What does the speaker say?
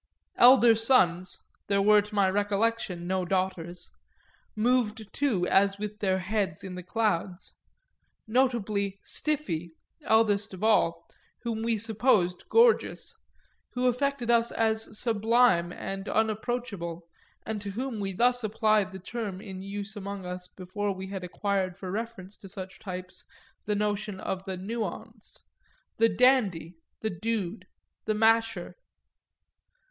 Elder sons there were to my recollection no daughters moved too as with their heads in the clouds; notably "Stiffy," eldest of all, whom we supposed gorgeous, who affected us as sublime and unapproachable and to whom we thus applied the term in use among us before we had acquired for reference to such types the notion of the nuance, the dandy, the dude, the masher.